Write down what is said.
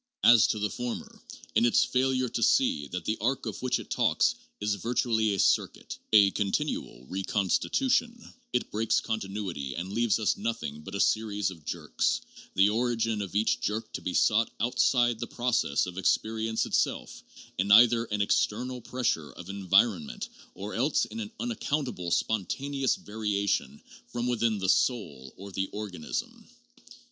As to the former, in its failure to see that the arc of which it talks is virtually a circuit, a continual reconstitutiou, it breaks continuity and leaves us nothing but a series of jerks, the origin of each jerk to be sought outside the process of experience itself, in either an external pressure of • environment,' or else in an unaccount able spontaneous variation from within the ' soul ' or the ' or ganism.'